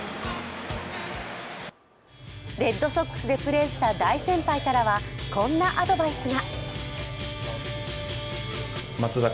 レッドソックスでプレーした大先輩からはこんなアドバイスが。